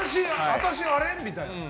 私、あれ？みたいな。